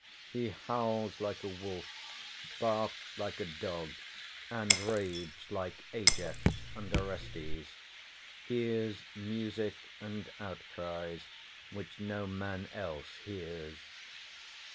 He howls like a wolf, barks like a dog, and raves like Ajax and Orestes, hears Music and outcries which no man else hears....